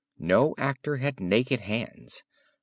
No actor had naked hands.